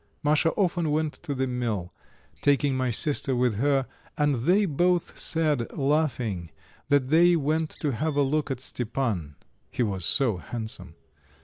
Masha often went to the mill, taking my sister with her, and they both said, laughing, that they went to have a look at Stepan, he was so handsome.